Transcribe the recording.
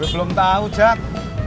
gue belum tau jack